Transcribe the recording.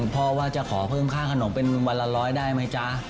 พ่อว่าจะขอเพิ่มค่าขนมเป็นวันละ๑๐๐ได้ไหมจ๊ะ